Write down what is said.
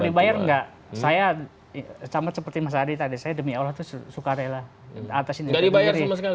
dibayar enggak saya sama seperti mas adi tadi saya demi allah suka rela atas ini dari bayar